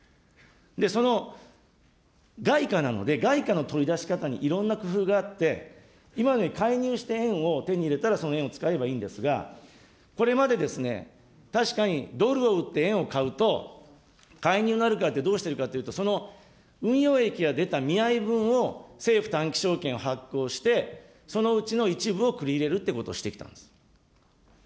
その外貨なので、外貨の取り出し方にいろんな工夫があって、今のように介入して円を手に入れたらその円を使えばいいんですが、これまでですね、確かに、ドルを売って円を買うと、介入になるかって、どうしたらいいかというと、その運用益が出たみあい分を、政府短期証券を発行して、そのうちの一部を繰り入れるということをしてきたんです。